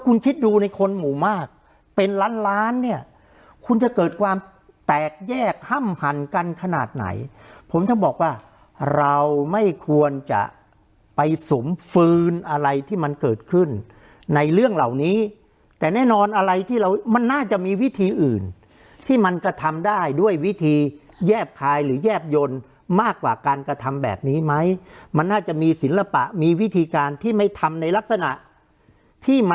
คุณคิดดูในคนหมู่มากเป็นล้านล้านเนี่ยคุณจะเกิดความแตกแยกห้ำหันกันขนาดไหนผมจะบอกว่าเราไม่ควรจะไปสุมฟื้นอะไรที่มันเกิดขึ้นในเรื่องเหล่านี้แต่แน่นอนอะไรที่เรามันน่าจะมีวิธีอื่นที่มันกระทำได้ด้วยวิธีแยบคายหรือแยบยนต์มากกว่าการกระทำแบบนี้ไหมมันน่าจะมีศิลปะมีวิธีการที่ไม่ทำในลักษณะที่มา